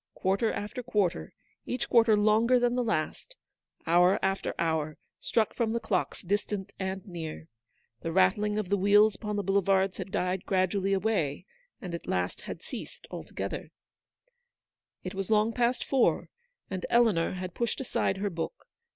Quarter after quarter, each quarter longer than the last, hour after hour, struck from the clocks distant and near. The rattling of the wheels upon the Boulevards had died gradually away, and at last had ceased altogether. WAITING. 115 It was long past four, and Eleanor had pushed aside her book.